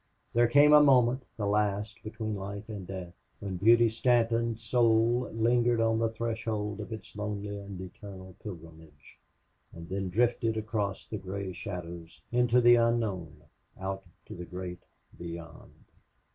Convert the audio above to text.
There came a moment, the last, between life and death, when Beauty Stanton's soul lingered on the threshold of its lonely and eternal pilgrimage, and then drifted across into the gray shadows, into the unknown, out to the great beyond.